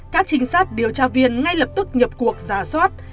các trinh sát điều tra viên ngay lập tức nhập cuộc giả soát